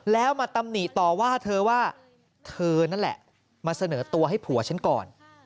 แล้วมาตำหนิต่อว่าเธอว่าเธอนั่นแหละมาเสนอตัวให้ผัวฉันก่อน